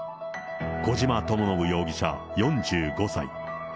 小島智信容疑者４５歳。